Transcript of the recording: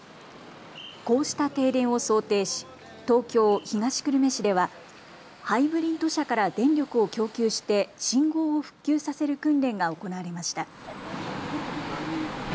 こうした停電を想定し東京東久留米市ではハイブリッド車から電力を供給して信号を復旧させる訓練が行われました。